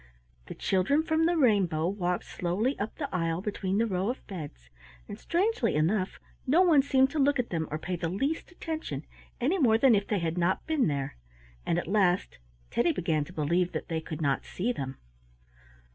The children from the rainbow walked slowly up the aisle between the row of beds, and, strangely enough, no one seemed to look at them or pay the least attention, any more than if they had not been there, and at last Teddy began to believe that they could not see them.